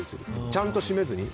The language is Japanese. ちゃんと閉めずに。